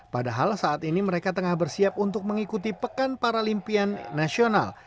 padahal saat ini mereka tengah bersiap untuk mengikuti pekan paralimpian nasional